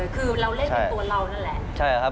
คือเราเล่นเป็นตัวเรานั่นแหละ